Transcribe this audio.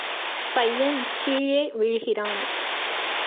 பையன் கீழே விழுகிறான்.